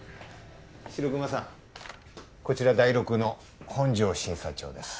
白熊さんこちらダイロクの本庄審査長です。